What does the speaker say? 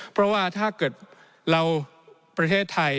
เพราะว่าถ้าเกิดเราประเทศไทย